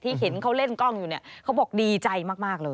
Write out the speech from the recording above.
เห็นเขาเล่นกล้องอยู่เนี่ยเขาบอกดีใจมากเลย